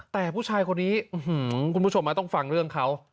แต่ผู้ชายคนนี้คุณผู้ชมต้องฟังเรื่องเขา